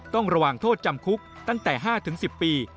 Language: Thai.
ต้องระวังโทษจำคุกตั้งแต่๕๑๐ปี